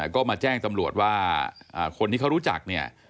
ก็มาแจ้งตำรวจว่าคนที่เขารู้จักเนี่ย